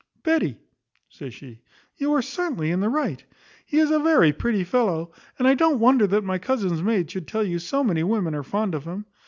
"Betty," says she, "you are certainly in the right: he is a very pretty fellow, and I don't wonder that my cousin's maid should tell you so many women are fond of him.